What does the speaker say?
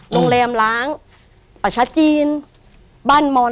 โรงแรมล้างประชาจีนบ้านมอน